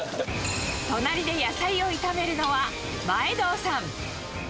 隣で野菜を炒めるのは、前堂さん。